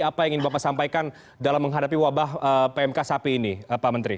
apa yang ingin bapak sampaikan dalam menghadapi wabah pmk sapi ini pak menteri